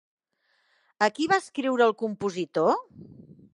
A qui va escriure el compositor?